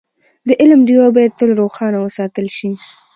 د علم ډېوه باید تل روښانه وساتل شي.